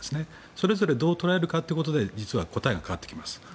それぞれどう捉えるかということで実は答えが変わってきます。